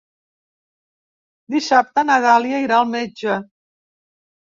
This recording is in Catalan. Dissabte na Dàlia irà al metge.